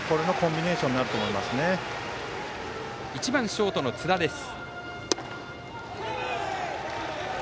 バッターは１番ショートの津田です。